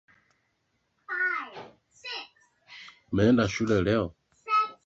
Umeenda shule leo?